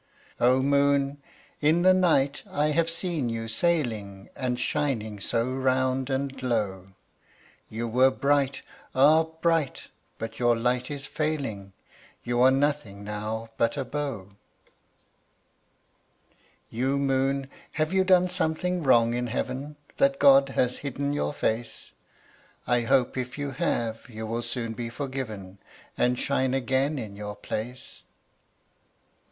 O moon! in the night I have seen you sailing And shining so round and low; You were bright! ah bright! but your light is failing You are nothing now but a bow. You moon, have you done something wrong in heaven That God has hidden your face? I hope if you have you will soon be forgiven, And shine again in your place.